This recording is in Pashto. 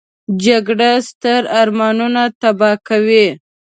جګړه ستر ارمانونه تباه کوي